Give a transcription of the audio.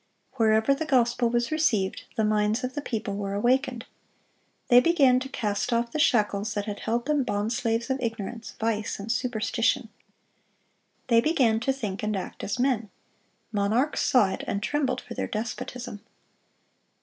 Wherever the gospel was received, the minds of the people were awakened. They began to cast off the shackles that had held them bond slaves of ignorance, vice, and superstition. They began to think and act as men. Monarchs saw it, and trembled for their despotism.